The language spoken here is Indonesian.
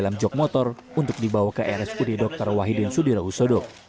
pertama di dalam jog motor untuk dibawa ke rsud dr wahidin sudirahusodo